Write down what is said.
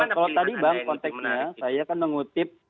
kalau tadi bang konteksnya saya kan mengutip